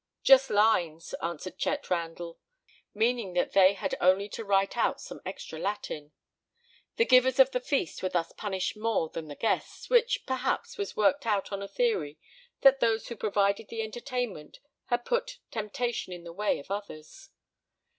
"Just lines," answered Chet Randell, meaning that they had only to write out some extra Latin. The givers of the feast were thus punished more than the guests, which perhaps was worked out on the theory that those who provided the entertainment had put temptation in the way of others.